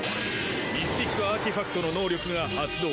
ミスティックアーティファクトの能力が発動。